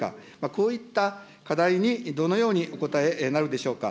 こういった課題にどのようにおこたえなるでしょうか。